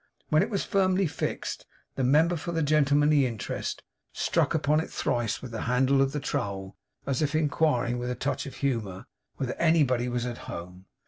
When it was firmly fixed, the member for the Gentlemanly Interest struck upon it thrice with the handle of the trowel, as if inquiring, with a touch of humour, whether anybody was at home.